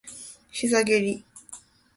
膝蹴り